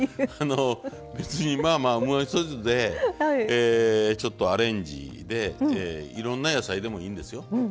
別にうまみそ酢でちょっとアレンジでいろんな野菜でもいいんですよ。